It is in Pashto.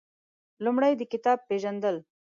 لومړی د کتاب پېژندل